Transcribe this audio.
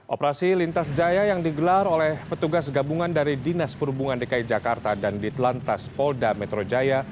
operasi lintas jaya yang digelar oleh petugas gabungan dari dinas perhubungan dki jakarta dan ditelantas polda metro jaya